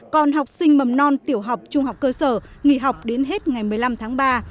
còn học sinh mầm non tiểu học trung học cơ sở nghỉ học đến hết ngày một mươi năm tháng ba